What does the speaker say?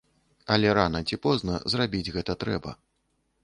Але рана ці позна зрабіць гэта трэба.